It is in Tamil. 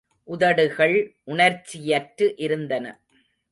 உதடுகள் உணர்ச்சியற்று இருந்தன.